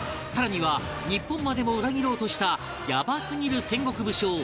さらには日本までも裏切ろうとしたヤバすぎる戦国武将